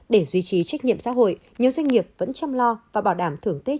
để duy trì trách nhiệm xã hội nhiều doanh nghiệp vẫn chăm lo và bảo đảm thưởng tết